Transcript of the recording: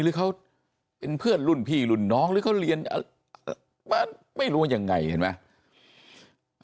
หรือเขาเป็นเพื่อนรุ่นพี่รุ่นน้องหรือเขาเรียนมาไม่รู้ว่ายังไงเห็นไหม